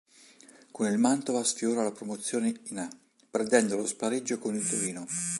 Con il Mantova sfiora la promozione in A, perdendo lo spareggio con il Torino.